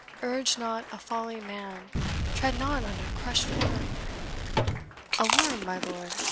Urge not a falling man tread not on a crushed worm." "A worm, my lord?"